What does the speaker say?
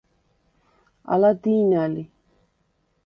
ალა დი̄ნა ლი.